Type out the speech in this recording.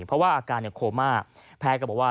เพราะว่าอาการโคม่าแพทย์ก็บอกว่า